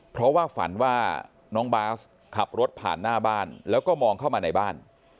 เพราะว่าฝันว่าน้องบาสขับรถผ่านหน้าบ้านแล้วก็มองเข้ามาในบ้าน